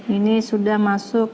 ini sudah masuk